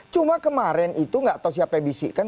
cuma kemarin itu gak tau siapa yang bisikkan